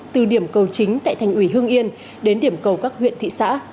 từ điểm cầu chính tại thành ủy hương yên đến điểm cầu các huyện thị xã